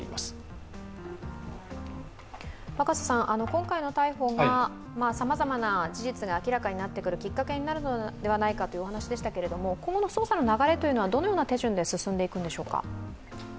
今回の逮捕がさまざまな事実が明らかになってくるきっかけになるのではないかというお話でしたが、今後の捜査はどのような手順で進んでいくんでしょうか。